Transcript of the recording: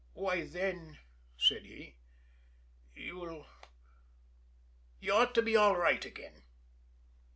"Why then," said he, "you'll you ought to be all right again."